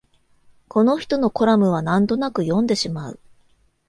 この人のコラムはなんとなく読んでしまう